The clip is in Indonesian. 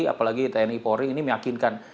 apalagi tni polri ini meyakinkan